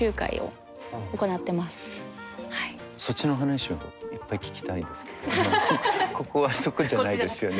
そっちの話いっぱい聞きたいんですけどここはそこじゃないですよね。